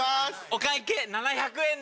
お会計７００円です。